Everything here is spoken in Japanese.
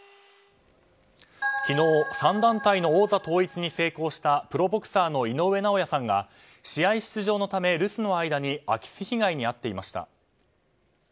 昨日、３団体の王座統一に成功したプロボクサーの井上尚弥さんが試合出場のため留守の間に空き巣被害に遭っていました。